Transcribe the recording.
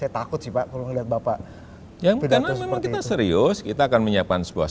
takut sih pak kalau melihat bapak ya karena memang kita serius kita akan menyiapkan sebuah